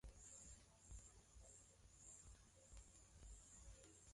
kubadilisha makazi yao ya kudumu Miaka mingi